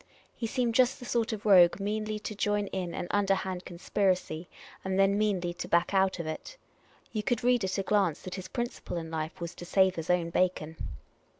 He seemed just the sort of rogue meanly to join in an underhand conspiracy, and then meanly to back out of it. You could read at a glance that his principle in life was to sav^e his own bacon.